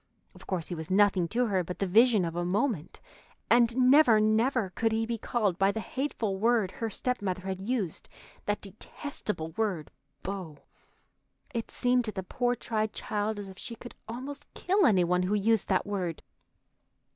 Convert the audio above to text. Of course he was nothing to her but the vision of a moment, and never, never, could he be called by the hateful word her stepmother had used, that detestable word "beau." It seemed to the poor, tried child as if she could almost kill any one who used that word.